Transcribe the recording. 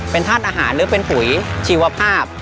เป็นธาตุอาหารหรือเป็นปุ๋ยชีวภาพ